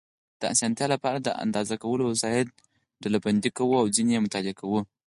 د اسانتیا لپاره د اندازه کولو وسایل ډلبندي کوو او ځینې یې مطالعه کوو.